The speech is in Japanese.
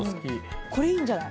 これいいんじゃない？